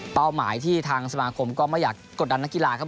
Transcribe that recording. หมายที่ทางสมาคมก็ไม่อยากกดดันนักกีฬาครับ